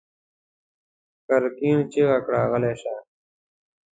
ګرګين چيغه کړه: غلی شه!